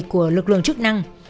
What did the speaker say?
của lực lượng chức năng